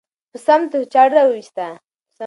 په صمد چاړه راوېسته.